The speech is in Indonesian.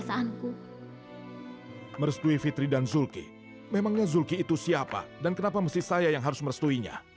sampai jumpa di video selanjutnya